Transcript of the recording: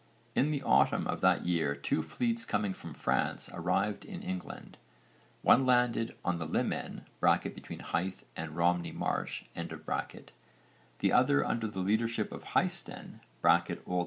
In the autumn of that year two fleets coming from France arrived in England: one landed on the Limen (between Hythe and Romney Marsh), the other under the leadership of Hæsten (O.N.